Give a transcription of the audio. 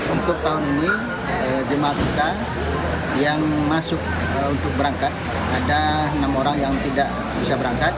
untuk tahun ini jemaah kita yang masuk untuk berangkat ada enam orang yang tidak bisa berangkat